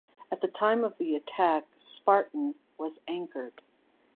At the time of the attack "Spartan" was anchored.